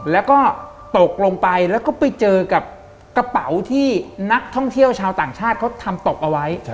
แล้วก็ตกลงไปแล้วก็ไปเจอกับกระเป๋าที่นักท่องเที่ยวชาวต่างชาติเขาทำตกเอาไว้